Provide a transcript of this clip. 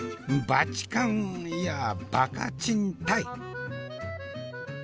バチカンいやバカチンたい！